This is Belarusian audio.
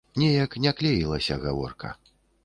Неяк не клеілася гаворка.